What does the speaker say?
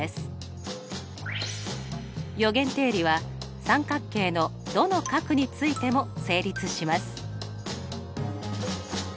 余弦定理は三角形のどの角についても成立します。